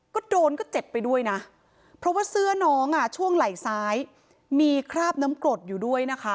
ก็โดนก็เจ็บไปด้วยนะเพราะว่าเสื้อน้องอ่ะช่วงไหล่ซ้ายมีคราบน้ำกรดอยู่ด้วยนะคะ